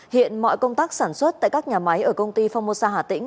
hiện mọi công tác sản xuất tại các nhà máy ở công ty phong mô sa hà tĩnh